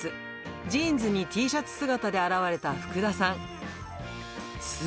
ジーンズにＴシャツ姿で現れた福田さん。